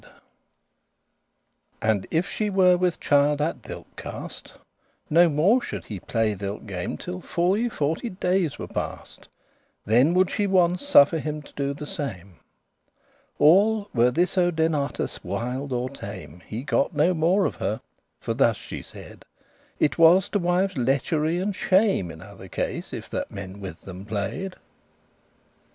* *again *without doubt* And if she were with child at thilke* cast, *that No more should he playe thilke game Till fully forty dayes were past; Then would she once suffer him do the same. All* were this Odenatus wild or tame, *whether He got no more of her; for thus she said, It was to wives lechery and shame In other case* if that men with them play'd.